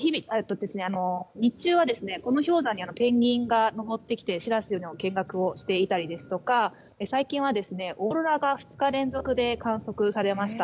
日中はこの氷山にペンギンが登ってきて「しらせ」の見学をしていたりですとか最近はオーロラが２日連続で観測されました。